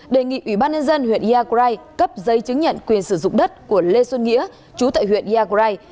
đề nghị ủy ban nhân dân huyện ia krai cấp giấy chứng nhận quyền sử dụng đất của lê xuân nghĩa chú tại huyện ia krai